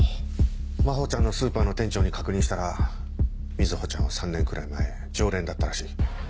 真帆ちゃんのスーパーの店長に確認したら瑞穂ちゃんは３年くらい前常連だったらしい。